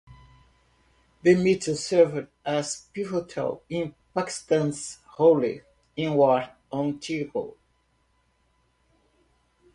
The meeting served as pivotal in Pakistan's role in War on Terror.